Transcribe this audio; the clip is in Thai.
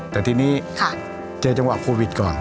แต่ทีนี้เจอจังหวะโควิดก่อน